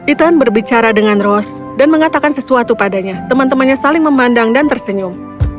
ethan berbicara dengan ros dan mengatakan sesuatu padanya teman temannya saling memandang dan tersenyum